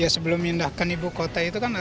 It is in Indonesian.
sebelum pindahkan ibu kota itu kan harus diperhatikan